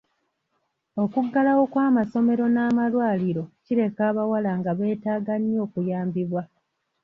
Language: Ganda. Okuggalawo kw'amasomero n'amalwaliro kireka abawala nga beetaaga nnyo okuyambibwa.